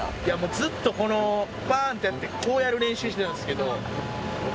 いやもうずっとこのパーンッてやってこうやる練習してたんですけど。